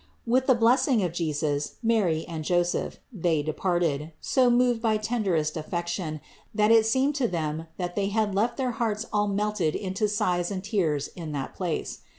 With the blessing of Jesus, Mary and Joseph, they departed, so moved by tenderest affection that it seemed to them they had left their hearts all melted into sighs and tears in that place.